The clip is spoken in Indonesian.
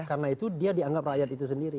karena itu dia dianggap rakyat itu sendiri